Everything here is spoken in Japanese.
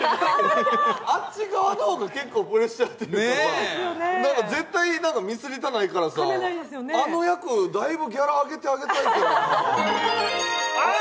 あっち側の方がプレッシャーというか、絶対ミスりたないからさ、あの役、だいぶギャラ上げてさ。